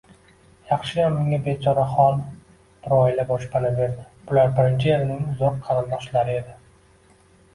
Yaxshiyam unga bechorahol bir oila boshpana berdi, bular birinchi erining uzoq qarindoshlari edi